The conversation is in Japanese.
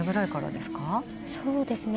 そうですね。